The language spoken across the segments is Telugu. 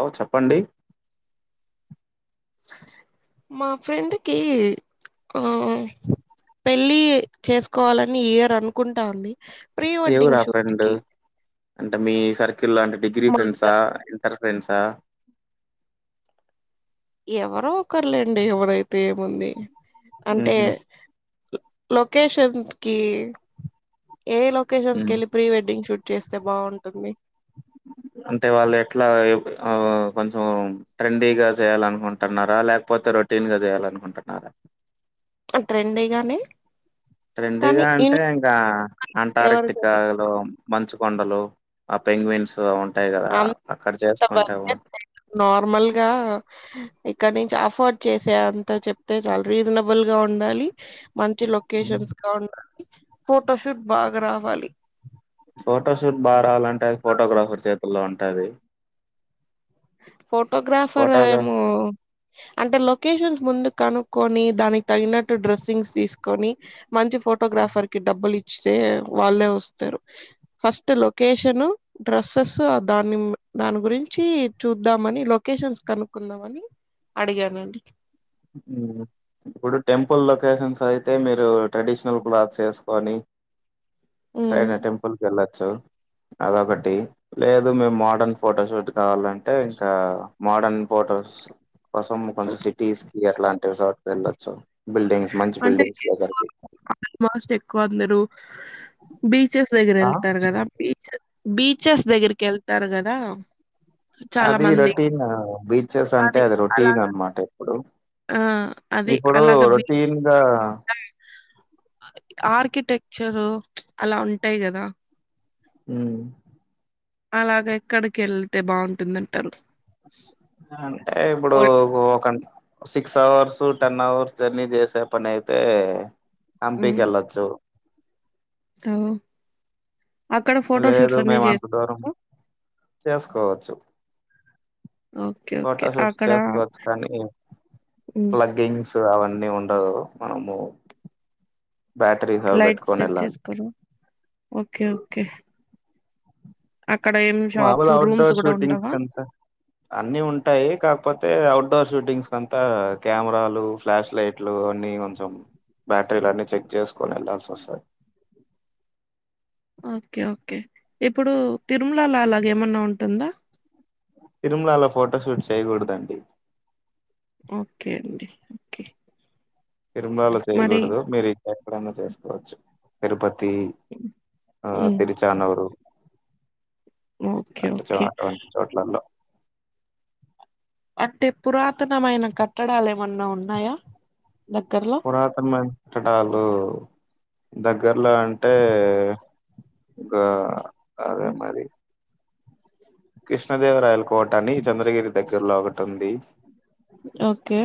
ఆ చెప్పండి మా ఫ్రెండ్కిి ఆ పెళ్ళి చేసుకోవాలని ఏయర్ అనుకుంటా ఉంది ఎవరు ఆ ఫ్రెండ్ అంటే మీ సర్కిల్ల్లో అంటే డిగ్రీ మాకు ఫ్రెండ్సా ఇంటర్ ఫ్రెండ్సా ఎవరో ఒకరులేండి ఎవరైతే ఏముంది అంటే ఉహు లోకేషన్కి ఏ ఉ లోకేషన్స్కిలి ప్రీ వెడ్డింగ్ శూట్ చేస్తే బాగుంటుంది అంటే వాళ్ళు ఎట్లా కొంచెం ట్రెండీగా చేయాల అనుకుంటున్నారా లేకపోతే రొటీన్ గా చేయాలనుకుంటున్నారా ఆ ట్రెండీ గానే ట్రెండీ గా అంటే ఇంకా ఎవరు అంటార్క్టికా లో మంచు కొండలు ఆ పెంగవిన్స్ అ నార్మల్గా ఇక్కడ నుంచి అఫోర్డ్ చేసే అంత చెప్తే చాలా రీజనబుల్ గా ఉండాలి మంచి లొకేషన్స్ ఉండాలి ఫోటోషూట్ బాగా రావాలి ఫోటోషూట్ బాగా రావాలంటే ఫోటోగ్రాఫర్ చేతుల్లో ఉంటుంది ఫోటోగ్రాఫర్ ఫోటోగ్రాఫ్ ఏమో అంటే లొకేషన్స్ ముందు కనుక్కొని దానికి తగినట్టు డ్రెస్సింగ్స్ తీసుకొని మంచి ఫోటోగ్రాఫర్ కి డబ్బులు ఇస్తే వాళ్ళే వస్తరూ ఫస్ట్ లొకేషన్ డ్రెస్సెస్ దాని దాని గురించి చూద్దామని లొకేషన్స్ కనుక్కుందామని అడిగానండి ఇప్పుడు టెంపుల్ లొకేషన్స్ అయితే మీరు ట్రెడిషనల్ క్లాత్స్ వేసుకొని ఉమ్. టైనా టెంపుల్ కేళ్లాచ్చు అదొకటి లేదు మేము మోడర్న్ ఫోటోషూట్ కావాలంటే ఇంకా మోడర్న్ ఫోటో కోసం కొంచెం సిటీస్ కి అట్లాంటి చోట వెళ్ళొచ్చు బిల్డింగ్స్ మంచి అంటే బిల్డింగ్స్ దగ్గరకి ఆమస్ట్ ఎక్కువ అందరు బీచెస్ దగ్గర ఆ వెళ్తారు కదా బీచెస్ బీచెస్ దగ్గరికి వెళ్తారు కదా చాలా అది మంది రొటీన్ బీచెస్ అంటే అది రొటీన్ అనమాట ఇప్పుడు ఆ అదే అలాగ బి టీన్గా ఆర్కిటెక్చరు అలా ఉంటాయి కదా మ్మ్ అలాగ ఎక్కడికి వెళతే బాగుంటుంది అంటారు అంటే ఇప్పుడు ఒక six hours ten hours journey చేసే పని అయితే హంపికి వెళ్ళచు మ్మ్ అక్కడ ఫోటో లేదు షూట్స్ అన్ని మేము అంత దూరం చేస్తరా చేసుకోవచ్చు ఫోటోషూట్ అక్కడ చేసుకోవచ్చు కానీ హ్మ్. ప్ల్గింగ్స్ అవి అన్ని ఉండవు కథ మనము బ్యాటరీ స లైట్స్ పెట్టుకని సెట్ ఎలాలి చేసుకోరా? ఓకే. ఓకే. అక్కడ ఏం షాప్స్, మామలు అవుట్ రూమ్స్ డోర్ గూడా షూటింగ్స్ ఉండవా? కంతా అన్ని ఉంటాయి కాకపోతే అయితే అఔట్డోర్ షూటింగ్స్ అంతా కెమెరాలు ఫ్లాష్ లైట్లు అన్నీ కొంచెం బ్యాటరీల అన్ని చెక్ చేసుకొని వెళ్ళాల్సి వస్తది ఓకే ఓకే ఇప్పుడు తిరుమలలో అలాగ ఏమన్నా ఉంటుందా తిరుమలలో ఫోటో షూట్ చేయకూడదండి ఓకే అండి ఓకే తిరుమలాలు మరి చేయకూడదు మీరు ఇ ఎక్కడన్నా చేసుకోవచ్చు తిరుపతి తి ఆ హ్మ్. తరిచానవరు ఓకే. అంట ఓకే. చోట అంటి చోట్లలో అంటే పురాతనమైన కట్టడాలు ఏమన్నా ఉన్నాయా. దగ్గర్లో పురాతనమైనాకట్టడాలు దగ్గర్లో అంటే ఇంకా అదే మరి. కృష్ణదేవరాయల కోట అని చంద్రగిరి దగ్గరలో ఒకటి ఉంది. ఓకే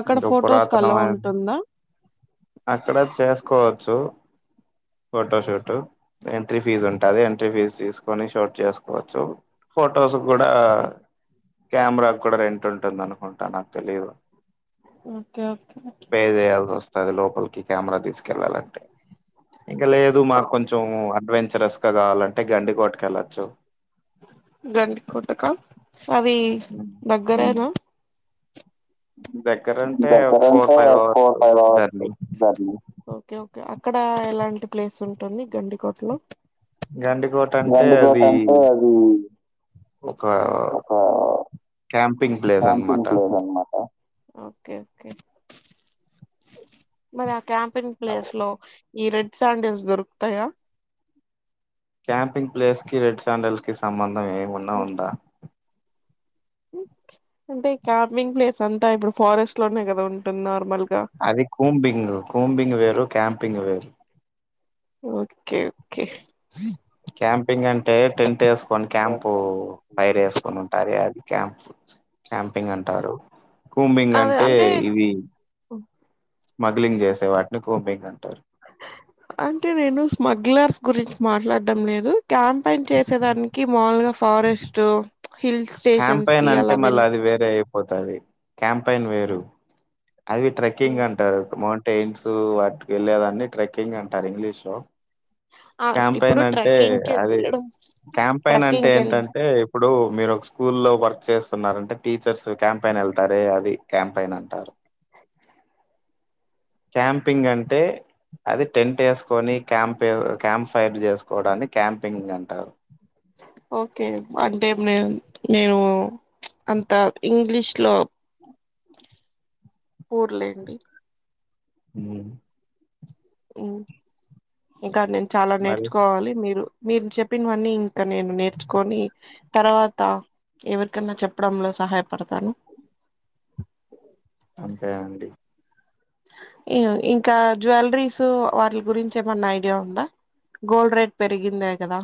అక్కడ ఇంకా ఫొటోస్కు అలో పురాతనమైన ఉంటుందా. అక్కడ చేసుకోవచ్చు. ఫోటోషూట్ ఎంట్రీ ఫీజు ఉంటాది ఎంట్రీ ఫీజ్ తీసుకొని షూట్ చేసుకోవచ్చు. ఫొటోస్ కూడా కెమెరా కూడా రెంట్ ఉంటుంది అనుకుంటా నాకు తెలీదు. ఓకే ఓకే అది లోపలికి కెమెరా తీసుకెళ్ళాలంటే. ఇంకా లేదు మాకు కొంచెం అడ్వెంచరస్గా కావాలంటే గండి కోటకు ఎళ్ళొచ్చు. గండి కోటకా అది దగ్గరేనా దగ్గరంటే ఒక దగ్గరే ఫోర్ అంటే five four hours five hours journey journey. Okay okay అక్కడ ఎలాంటి ప్లేస్ ఉంటుంది గండికోట్లో. గండికోట అంటే గండికోట అది అంటే అదీ ఒక క్యాంప్ క్యాంపింగ్ ఫ్లేస్ అనమాట. ఓకే ఓకే మరి క్యాంపింగ్ అదే ప్లేస్ లో ఈ రెడ్ శాండిల్స్ దొరుకుతయా. క్యాంపింగ్ ప్లేస్ కి రెడ్ శాండిల్స్ కి సంబంధం ఏమన్నా ఉందా. అంటే క్యాపింగ్ ప్లేస్ అంతా ఇప్పుడు ఫారెస్ట్ లోనే కదా ఉంటుంది నార్మల్ గా అది కూంబింగ్. కూంబింగ్ వేరు క్యాంపింగ్ వేరు. ఓకే ఓకే క్యాంపింగ్ అంటే టెంట్ ఏసుకొని క్యాంపు ఫైర్ ఏసుకొని ఉంటారే అది. క్యాంప్ క్యాంపింగ్ అంటారు. కూంబింగ్ అంటే ఇవి స్మగ్లింగ్ చేసే వాటిని కూంబింగ్ అంటరు. అంటే నేను స్మగ్లర్స్ గురించి మాట్లాడడం లేదు. క్యాంపెయిన్ చేసేదానికి మాములుగా ఫారెస్ట్ హిల్ స్టేషన్స్ క్యాంపైన్ కి అంటే అలా మళ్ళా వెళ్ళి అది వేరే అయిపోతాది క్యాంపైన్ వేరు. అది ట్రెక్కింగ్ ఉమ్. అంటారు మౌం టెయిల్సు వాటికి వెళ్ళేదాన్ని ట్రెక్కింగ్ అంటారు ఇంగ్లీష్ లో. ఆ క్యాంపయిన్ ఇప్పుడు అంటే ట్రెక్కింగ్ కి అది వెళ్ళడం క్యాంపయిన్ అంటే ట్రెక్కింగ్ కి వెళ్ళి ఏంటంటే ఇప్పుడు మీరు ఒక స్కూల్లో వర్క్ చేస్తున్నారంటే టీచర్స్ క్యాంపైన్ వెళ్తారే అది క్యాంపైన్ అంటారు. క్యాంపింగ్ అంటే అది టెంట్ ఏసుకొని క్యాంప్ క్యాంప్ ఫైర్ చేసుకోవడాన్ని క్యాంపింగ్ అంటారు. ఓకే అంటే మేం నేను అంత ఇంగ్లీష్ లో ఊర్లేండి. హ్ హ్ ఇంకా నేను చాలా మరి నేర్చుకోవాలి. మీరు మీరు చెప్పినవన్నీ ఇంకా నేను నేర్చుకొని తర్వాత ఎవరికన్నా చెప్పడంలో సహాయపడతాను. అంతే అండి. ఇగా ఇంకా జ్వేవెలరీస్ వాటిల గురించి ఏమన్నా ఐడియా ఉందా. గోల్డ్ రేట్ పెరిగిందే కదా.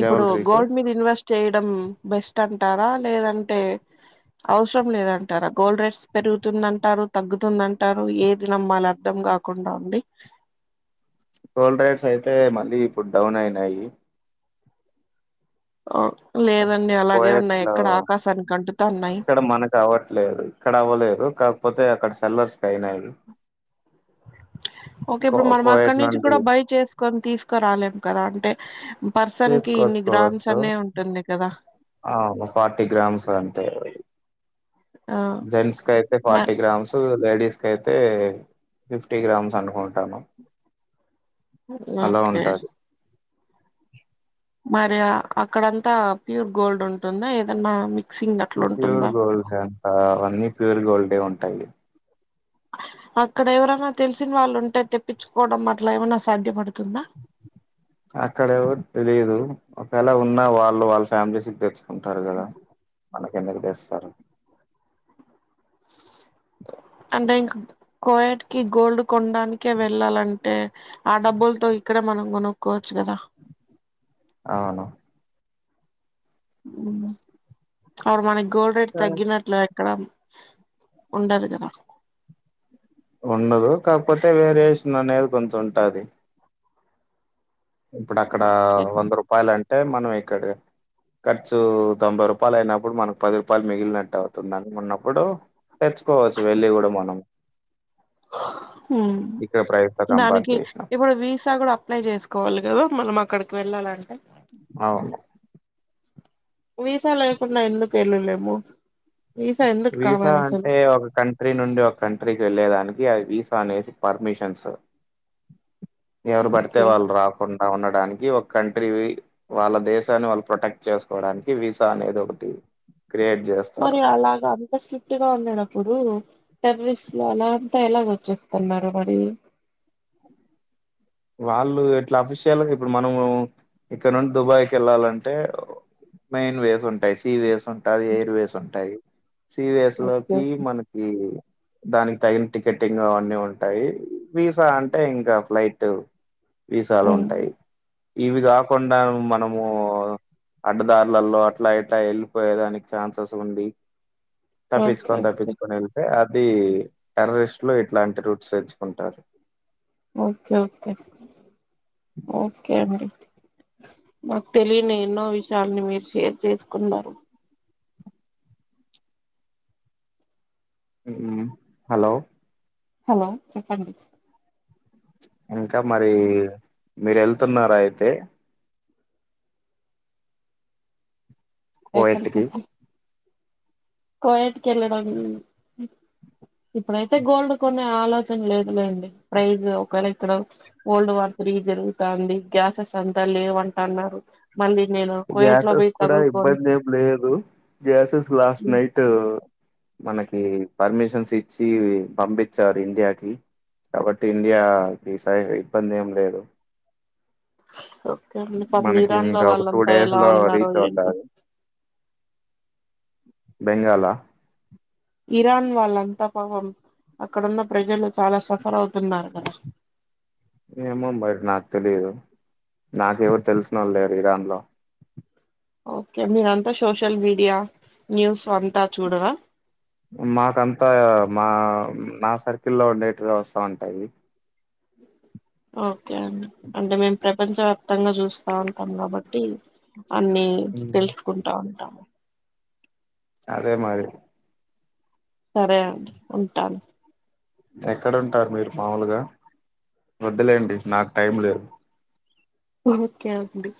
ఇప్పుడు జెవెల్లరీసు. గోల్డ్ మీద ఇన్వెస్ట్ చేయడం బెస్ట్ అంటారా లేదంటే అవసరం లేదంటారా. గోల్డ్ రేట్స్ పెరుగుతుందంటారు తగ్గుతుందంటారు ఏది నమ్మాలి అర్ధం కాకుండా ఉంది. టోల్ రేట్స్ అయితే మళ్ళీ ఇప్పుడు డౌన్ అయినాయి. అ కోయాట్లో అంటుతా ఉన్నాయి ఇక్కడ మనకు అవ్వట్లేదు ఇక్కడ అవ్వలేదు కా పోతే అక్కడ సెల్లర్స్ క అయినాయివి. ప్స్ ఓకే ఇప్పుడు మనం కోయట్ అక్కడి నుంచి నుండి కూడా బై చేసుకొని తీసుకురాలేం. కదా అంటే పర్సన్ కి ఇన్ని గ్రామ్స్ అనే ఉంటుంది కదా. ఆ ఫార్టీ గ్రామ్స్ అంటేవి ఆ! జెంట్స్ క అయితే మ ఫార్టీ గ్రామ్స్ లేడీస్కి అయితే ఫిఫ్టీ గ్రామ్స్ అనుకుంటాను. అలా ఓకే ఉంటది మరి అక్కడంతా ప్యూర్ గోల్డ్ ఉంటుందా ఏదన్నా? మిక్సింగ్ ప్యూర్ అట్లుంటుందా? గోల్డ్ కంత అన్నీ ప్యూర్గోల్డె ఉంటాయి. అక్కడ ఎవరనా తెలిసిన వాళ్ళు ఉంటే తెప్పించుకోవడం అట్లా ఏమైనా సాధ్యపడుతు అక్కడేవరు తెలిదు. ఒకవేళ ఉన్నా వాళ్ళు వాళ్ళ ఫ్యామిలీ సి తెచ్ ఉంటారు కదా మనకే నిర్దస్తారు. అంటే ఇంకా కోయట్ కి గోల్డ్ కొనడానికే వెళ్ళాలంటే ఆ డబ్బులతో ఇక్కడ మనం కొనుక్కోవచ్చు కదా. అవును మ్ అడు మనకి గోల్ రేట్ తగ్గినట్లు ఇక్కడ ఉండదుగద. ఉండదు కాకపోతే వేరియేషన్ అనేది కొంచం ఉంటాది. ఇప్పుడు అక్కడ ఓకే. వంద రూపాయలు అంటే మనం ఇక్కడ ఖర్చు తొంభై రూపాయలు అయినప్పుడు మనకు పది రూపాయలు మిగిలినట్టు అనుకున్నప్పుడు తెచ్చుకోవచ్చు వెళ్ళి కూడా మనం మ్ ఇక్కడ ప్రైస్ తో కంపేర్ దానికి చేసినప్పుడు ఇప్పుడు వీసా కూడా అప్లై చేసుకోవాలి. కదా మళ్నం అక్కడికి వెళ్ళాలంటే? అవును విసా లేకుండా ఎందుకు వెళ్లలేము? వీసా అంటే ఒక కంట్రీ నుండి, ఒక కంట్రీకి వెళ్ళేలేదానికి ఆ వీస్ అనేసి పర్మిషన్స్ ఎవరు పడితే ఓకే వాళ్ళు రాకుండా క ఉండడానికి ఒక కంట్రీ వాళ్ళ దేశాన్ని వాళ్ళు ప్రొటెక్ట్ చేసుకోవడానికి వీసా అనేది ఒకటి. క్రియేట్ చేస్తారు. ఇంత స్ట్రిక్ట్ గా ఉండేటప్పుడు టెర్రరిస్ట్ లు అలా అంతా ఎలాగ వచ్చేస్తున్నారు మరి? వాళ్ళు ఇట్లా అఫిషియల్గా ఇప్పుడు మనము ఇక్కడ నుండి దుబాయ్కి వెళ్ళాలంటే మెయిన్ వేస్ ఉంటాయి సీ వేస్ ఉంటాది, ఎయిర్ వేస్ ఉంటాయి. సివిఎస్ ఓకే లోకి మనకి దానికి తగిన టికెటింగ్ అవన్నీ ఉంటాయి. వీసా అంటే ఇంకా ఫ్లైట్ వీసాలు ఉమ్, ఉంటాయి. ఇవి కాకుండా మనము అడ్డదారులలో అట్లా, ఇట్లా వెళ్ళిపోయేదానికి ఛాన్సెస్ ఉంది. ఓకే తప్పించుకొని ఓకే తప్పించుకొని ఏళ్తే అ అది టెర్రరిస్ట్ లో ఇట్లాంటి రూట్స్ తెచ్చుకుంటారు. ఓకే ఓకే ఓకే అండి మాకు తెలియని ఎన్నో విషయాలని మీరు షేర్ చేసుకున్నారు. మ్ హలో హలో చెప్పండి? ఇంకా మరి మీరు వెళ్తున్నారా అయితే? కోయట్ ఎక్కడికి కి అండి? కోయిట్కకెల్లడం. ఇప్పుడైతే గోల్డ్ కొనే ఆలోచన లేదులేండి. ప్రైజ్ ఒకవేళ ఇక్కడ గోల్డ్ వార్ ఫ్రీ జరుగుతంది గ్యాసెస్ అంతా లేవంట అన్నారు గ్యాసెస్ కూడా ఇబ్బంది ఏం లేదు గ్యాసెస్ లాస్ట్ నై ట్ మనకి పర్మిషన్స్ ఇచ్చి పంపించారు ఇండియాకి కాబట్టి ఇండియా ఈ స ఇబ్బంది ఏం లేదు ఓకే అండి పాపం మనకి ఇరాన్ లో ఇంకా ఒక టూ వాళ్ళంతా డేస్ ఎలా లో ఉన్నారో రీచ్ ఏంటో అవుతాది బెంగాాల ఇరాన్ వాళ్ అంత పాపం అక్కడున్న ప్రజలు చాలా సఫర్ అవుతున్నారు కదా ఏమో మరి నాకు తెలిదు నాకు ఎవరు తెలిసినోళ్ళు లేరు ఇరాన్ లో ఓకే మీరంతా సోషల్ మీడియా న్యూస్ అంతా చూడరా మాకంతా ఆ మా మ సర్కిల్లో ఉండేటివే వస్తా ఉంటాయ్ ఓకే అండి అంటే మేము ప్రపంచవ్యాప్తంగా చూస్తా ఉంటాం కాబట్టి అన్నిీ తెలుసుకుంటా ఉంటాము అదే మారి సరే అండి ఉంటాను ఎక్కడ ఉంటారు మీరు మాముూలుగా వద్దలేండి నాకు టైం లేదు ఓకే అండి